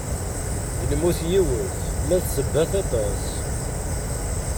Lmut yiwet, ma d ssebbat aṭas.